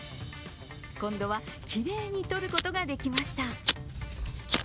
今度は、きれいに撮ることができました。